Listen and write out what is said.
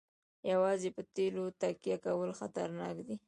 یوازې په تیلو تکیه کول خطرناک دي.